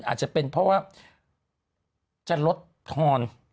อาจจะเป็นเพราะว่าจะลดทอน